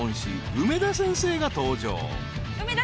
梅田先生が登場］